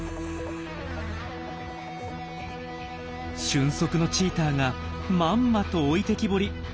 俊足のチーターがまんまと置いてきぼり。